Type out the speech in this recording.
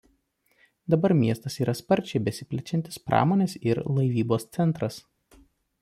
Dabar miestas yra sparčiai besiplečiantis pramonės ir laivybos centras.